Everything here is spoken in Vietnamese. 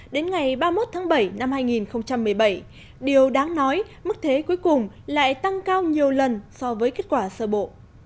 đến ngày ba mươi một tháng bảy năm hai nghìn một mươi bảy điều đáng nói mức thế cuối cùng lại tăng cao nhiều lần so với kết quả sơ bộ